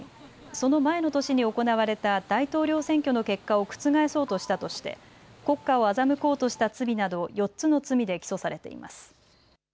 その前の年に行われた大統領選挙の結果を覆そうとしたとして国家を欺こうとした罪など４つの罪で起訴されています。